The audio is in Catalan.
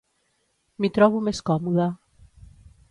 M'hi trobo més còmode.